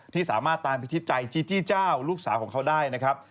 ที่สามารถตามพิทิศใจจีจี้เจ้าลูกสาวของเขาได้นะครับ